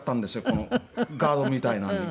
このガードみたいなのに。